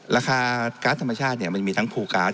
ราคาการ์ดธรรมชาติมันมีทั้งภูการ